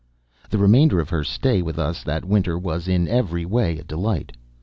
The remainder of her stay with us that winter was in every way a delight.